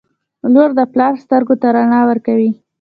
• لور د پلار سترګو ته رڼا ورکوي.